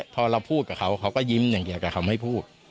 พอเราพูดกับเขาเขาก็ยิ้มอย่างเดียวแต่เขาไม่พูด